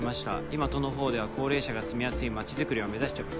今都の方では高齢者が住みやすい町づくりを目指しており」。